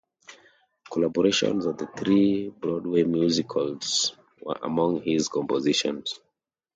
Collaborations on three Broadway musicals were among his compositions.